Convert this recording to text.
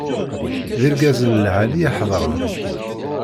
D irgazen lɛali i iḥeḍren.